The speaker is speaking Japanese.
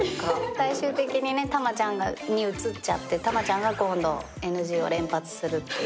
最終的に玉ちゃんに移っちゃって玉ちゃんが今度ＮＧを連発するっていう。